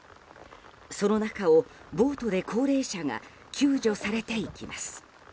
その中をボートで高齢者が救助されていきます。